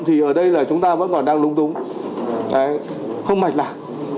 thì ở đây là chúng ta vẫn còn đang lung tung không mạch lạc